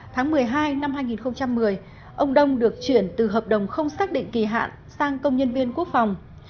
tháng một mươi hai năm hai nghìn một mươi ông đông được chuyển từ hợp đồng không xác định kỳ hạn sang công nhân viên quốc phòng